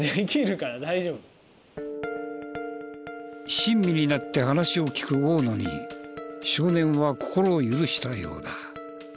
親身になって話を聞く大野に少年は心を許したようだ。